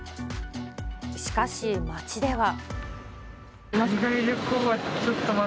しかし、街では。